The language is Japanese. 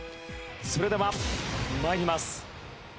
それでは参ります。